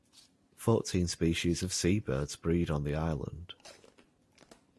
Fourteen species of seabirds breed on the island.